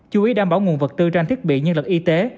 chú ý đảm bảo nguồn vật tư trang thiết bị nhân lực y tế